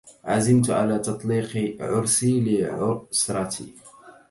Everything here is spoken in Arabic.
عزمت على تطليق عرسي لعسرتي